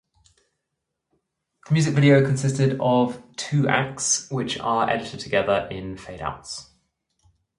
The music video consisted of two acts, which are edited together in fade outs.